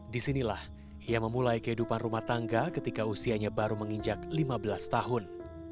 disinilah ia memulai kehidupan rumah tangga ketika usianya baru menginjak lima belas tahun